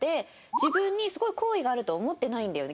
自分にすごい好意があるとは思ってないんだよね。